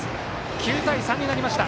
９対３になりました。